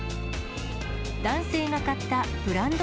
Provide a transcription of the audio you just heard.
男性が買ったブランド